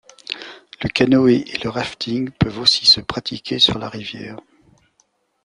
Le canoë et le rafting peuvent aussi se pratiquer sur la rivière.